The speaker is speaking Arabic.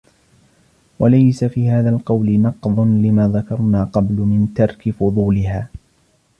وَلَيْسَ فِي هَذَا الْقَوْلِ نَقْضٌ لِمَا ذَكَرْنَا قَبْلُ مِنْ تَرْكِ فُضُولِهَا